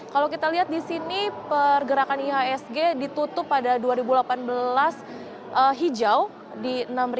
kalau kita lihat di sini pergerakan ihsg ditutup pada dua ribu delapan belas hijau di enam satu ratus sembilan puluh empat lima